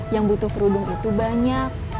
yang butuh kerudung itu banyak